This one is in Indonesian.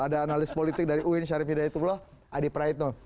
ada analis politik dari uin syarif hidayatullah adi praitno